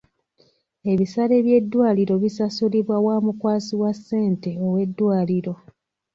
Ebisale by'eddwaliro bisasulibwa wa mukwasi wa ssente ow'eddwaliro.